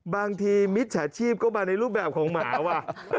บางทีมิตรศาสตร์ชีพก็มาในรูปแบบของหมาว่ะ